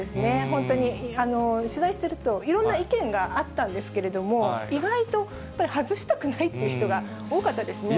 本当に、取材してるといろんな意見があったんですけれども、意外とやっぱり外したくないという人が多かったですね。